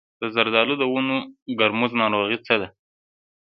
د زردالو د ونو ګوموز ناروغي څه ده؟